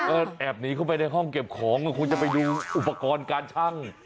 แอบหนีเข้าไปในห้องเก็บของก็คงจะไปดูอุปกรณ์การชั่ง